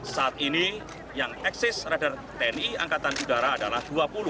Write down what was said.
saat ini yang eksis radar tni angkatan udara adalah dua puluh